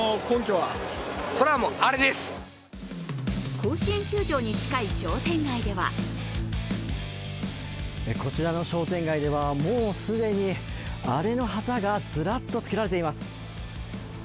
甲子園球場に近い商店街ではこちらの商店街ではもう既にアレの旗がずらっとつけられています。